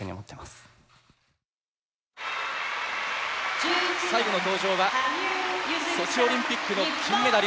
最後の登場はソチオリンピックの金メダリスト羽生結弦。